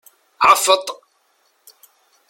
Ɛeffeṭ!